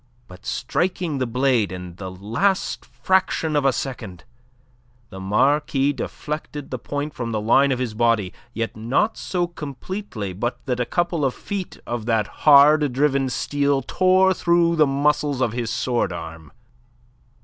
But striking the blade in the last fraction of a second, the Marquis deflected the point from the line of his body, yet not so completely but that a couple of feet of that hard driven steel tore through the muscles of his sword arm.